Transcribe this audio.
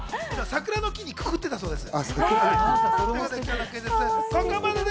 桜の木にくくっていたそうです。